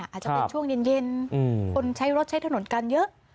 อาจจะเป็นช่วงเย็นคนใช้รถใช้ถนนกันเยอะ